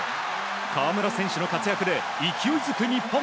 河村選手の活躍で勢いづく日本。